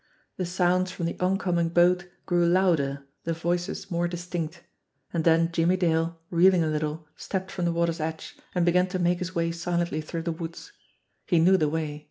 The sounds from the oncoming boat grew louder, the voices more distinct. And then Jimmie Dale, reeling a little, stepped from the water's edge, and began to make his way silently through the woods. He knew the way.